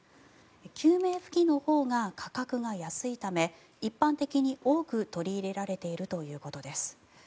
救命浮器のほうが価格が安いため一般的に多く取り入れられているということです。